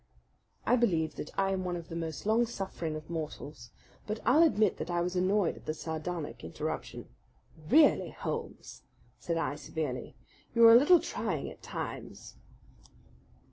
I believe that I am one of the most long suffering of mortals; but I'll admit that I was annoyed at the sardonic interruption. "Really, Holmes," said I severely, "you are a little trying at times."